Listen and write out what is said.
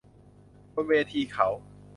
บนเวทีเขา